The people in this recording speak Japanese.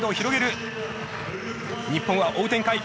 日本は追う展開。